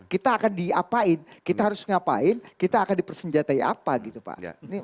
kita akan diapain kita harus ngapain kita akan dipersenjatai apa gitu pak